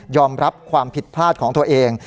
รับความผิดพลาดของตัวเอง